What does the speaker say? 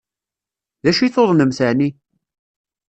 D acu i tuḍnemt ɛni?